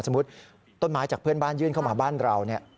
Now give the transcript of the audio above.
ต้นไม้จากเพื่อนบ้านยื่นเข้ามาบ้านเราเนี่ย